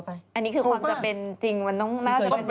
อันนี้คือความจำเป็นจริงมันน่าจะเป็น